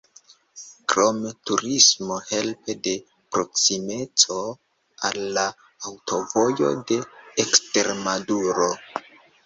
Krome turismo helpe de proksimeco al la Aŭtovojo de Ekstremaduro.